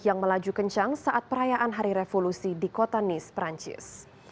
yang melaju kencang saat perayaan hari revolusi di kota nice perancis